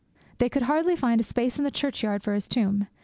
They could hardly find a space in the churchyard for his tomb.